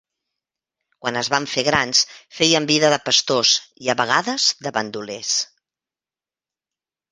Quan es van fer grans feien vida de pastors, i a vegades de bandolers.